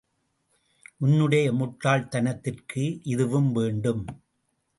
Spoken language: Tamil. உன்னுடைய முட்டாள்தனத்திற்கு இதுவும் வேண்டும்.